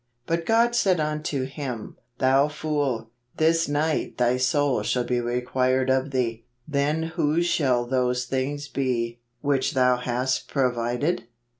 But God said unto him, Thou fool, this night thy soul shall be required of thee: then whose shall those things be, which thou hast provided?"